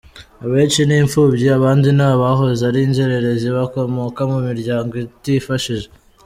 Abenshi ni imfubyi, abandi ni abahoze ari inzererezi bakomoka mu miryango itifashije.